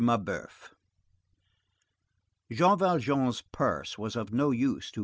MABEUF Jean Valjean's purse was of no use to M.